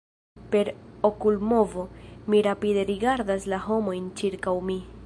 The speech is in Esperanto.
Per okulmovo, mi rapide rigardas la homojn ĉirkaŭ mi.